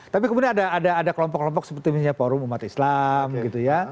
tapi kemudian ada kelompok kelompok seperti misalnya forum umat islam gitu ya